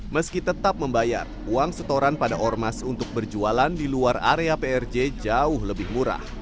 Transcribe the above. meski tetap membayar uang setoran pada ormas untuk berjualan di luar area prj jauh lebih murah